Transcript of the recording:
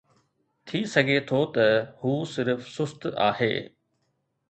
ٿي سگهي ٿو ته هو صرف سست آهي.